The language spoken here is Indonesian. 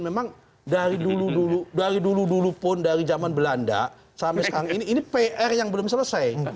memang dari dulu dulu pun dari zaman belanda sampai sekarang ini ini pr yang belum selesai